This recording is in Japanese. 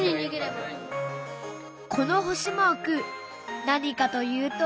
この星マーク何かというと。